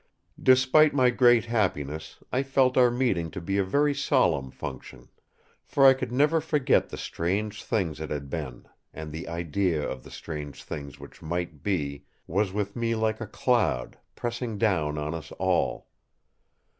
Despite my great happiness I felt our meeting to be a very solemn function. For I could never forget the strange things that had been; and the idea of the strange things which might be, was with me like a cloud, pressing down on us all.